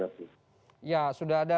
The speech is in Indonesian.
apakah ini adalah